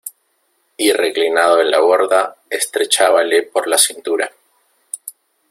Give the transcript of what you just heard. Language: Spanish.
y reclinado en la borda estrechábale por la cintura.